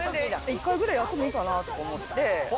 １回ぐらいやってもいいかなとか思って。